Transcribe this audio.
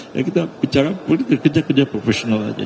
ya kita bicara politik kerja kerja profesional aja